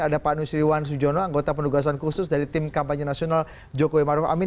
ada pak nusiriwan sujono anggota penugasan khusus dari tim kampanye nasional jokowi maruf amin